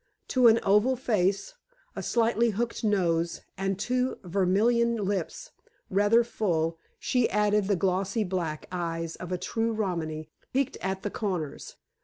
To an oval face, a slightly hooked nose and two vermilion lips, rather full, she added the glossy black eyes of the true Romany, peaked at the corners.